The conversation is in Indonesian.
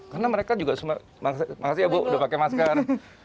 karena mereka juga semua makasih ya bu udah pakai masker